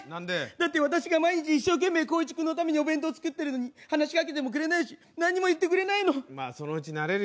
だって私が毎日、一生懸命、こういちくんのためにお弁当作ってるのに、話しかけてもくれないし何も言ってくれないの。